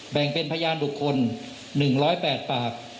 แบ่งเป็นพยานบุคคล๑๐๘ปาก